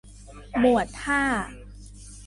หมวดห้า